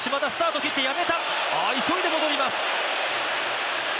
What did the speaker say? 島田、急いで戻ります。